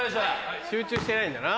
集中してないんだな。